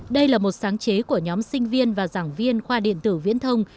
đây là một sáng chế của nhóm sinh viên và giảng viên khoa điện tử viễn thông